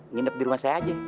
nginep di rumah saya aja